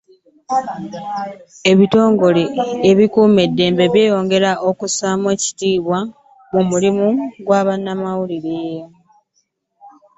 Ebitongole ebikuuma ddembe byongere okussa ekitiibwa mu mulimu gwa bannamawulire